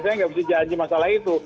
saya nggak bisa janji masalah itu